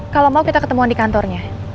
kalau mau kita ketemuan di kantornya